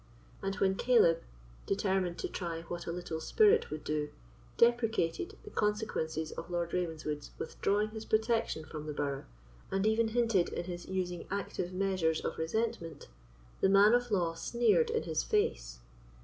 And when Caleb, determined to try what a little spirit would do, deprecated the consequences of Lord Ravenswood's withdrawing his protection from the burgh, and even hinted in his using active measures of resentment, the man of law sneered in his face.